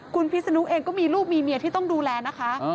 คุณพิศนุเองก็มีลูกมีเมียที่ต้องดูแลนะคะ